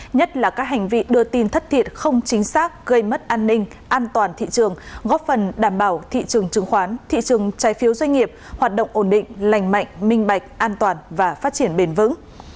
nhất là các hành vi đưa tin thất thiệt không chính xác gây mất an ninh an toàn thị trường góp phần đảm bảo thị trường chứng khoán thị trường trái phiếu doanh nghiệp hoạt động ổn định lành mạnh minh bạch an toàn và phát triển bền vững